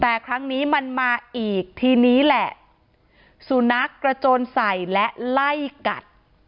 แต่ครั้งนี้มันมาอีกทีนี้แหละสุนัขกระโจนใส่และไล่กัด